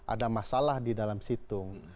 ada masalah di dalam situng